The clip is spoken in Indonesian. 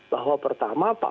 bahwa pertama kita harus mencari